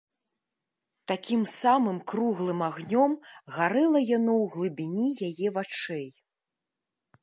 Такім самым круглым агнём гарэла яно ў глыбіні яе вачэй.